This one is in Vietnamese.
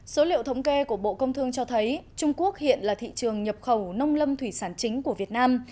số liệu thống kê của bộ công thương cho thấy trung quốc hiện là thị trường nhập khẩu nông lâm thủy sản chính của việt nam